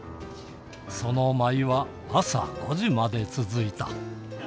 その舞は朝５時まで続いた。